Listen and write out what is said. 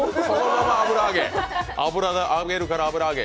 油で揚げるから油揚げ。